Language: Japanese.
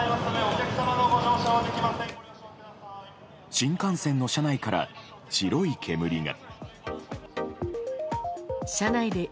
新幹線の車内から白い煙が。